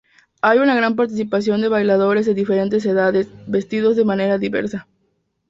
Hay una gran participación de bailadores de diferentes edades, vestidos de manera diversa.